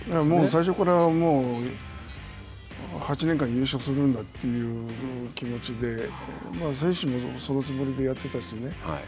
もう最初から、８年間優勝するんだという気持ちで選手もそのつもりでやってたしね。